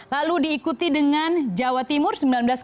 lalu diikuti dengan jawa timur